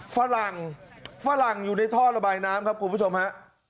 ฝรั่งฝรั่งอยู่ในท่อระบายน้ำครับคุณผู้ชมฮะ